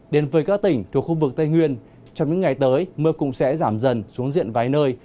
đến với các tỉnh thuộc khu vực tây nguyên trong những ngày tới mưa cũng sẽ giảm dần xuống diện vài nơi